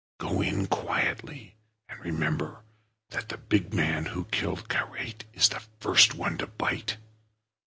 Go in quietly, and remember that the big man who killed Karait is the first one to bite.